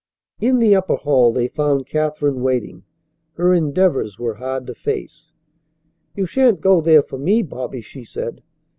In the upper hall they found Katherine waiting. Her endeavours were hard to face. "You shan't go there for me, Bobby," she said.